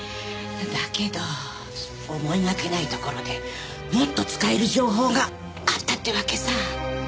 だけど思いがけないところでもっと使える情報があったってわけさ。